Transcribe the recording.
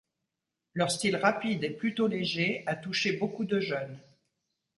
Leur style rapide et plutôt léger a touché beaucoup de jeunes.